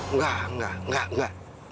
enggak enggak enggak